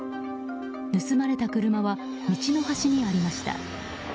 盗まれた車は道の端にありました。